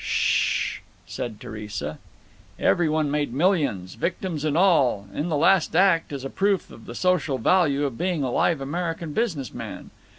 "Sh h h h h h!" said Theresa. Every one made millions, victims and all, in the last act, as a proof of the social value of being a live American business man.